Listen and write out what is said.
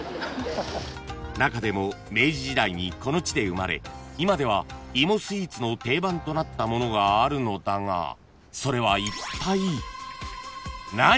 ［中でも明治時代にこの地で生まれ今では芋スイーツの定番となったものがあるのだがそれはいったい何？］